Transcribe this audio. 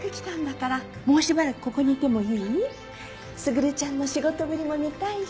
卓ちゃんの仕事ぶりも見たいし。